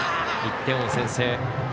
１点を先制。